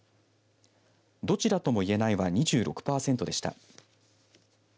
どちらともいえないは２６パーセントでした。